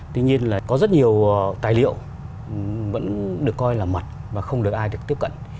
tuy nhiên là có rất nhiều tài liệu vẫn được coi là mật và không được ai được tiếp cận